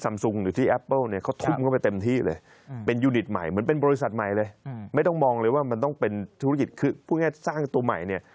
ไม่ต้องมองเลยว่ามันต้องเป็นธุรกิจคือพูดง่ายสร้างตัวใหม่เนี่ย